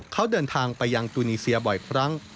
เขาเดินทางไปยังตูนีเซียบ่อยครั้ง